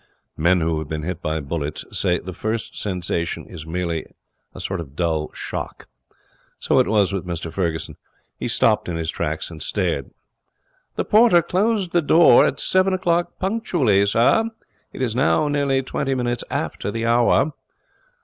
Men who have been hit by bullets say the first sensation is merely a sort of dull shock. So it was with Mr Ferguson. He stopped in his tracks and stared. 'The porter closes the door at seven o'clock punctually, sir. It is now nearly twenty minutes after the hour.'